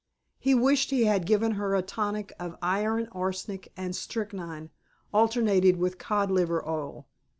He wished he had given her a tonic of iron arsenic and strychnine, alternated with cod liver oil.